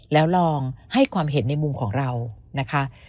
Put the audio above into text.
แล้วลองให้ความเห็นในมุมของเรานะคะ